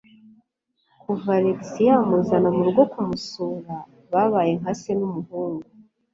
Kuva Alex yamuzana murugo kumusura, babaye nka se numuhungu.